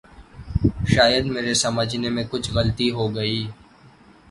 شاید میرے سمجھنے میں کچھ غلطی ہو گئی۔